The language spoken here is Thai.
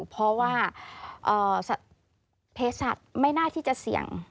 เพราะว่าเพศสัตว์ไม่น่าที่จะเสี่ยง